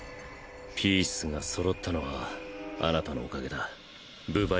ピースが揃ったのはあなたのおかげだ分倍